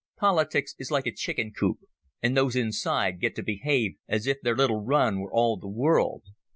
Politics is like a chicken coop, and those inside get to behave as if their little run were all the world.